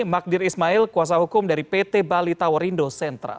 magdir ismail kuasa hukum dari pt bali towerindo sentra